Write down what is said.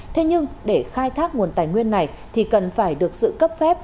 thế nhưng để khai thác nguồn tài nguyên này thì cần phải được sự cấp phép